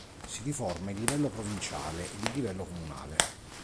Si riforma il livello provinciale ed il livello comunale.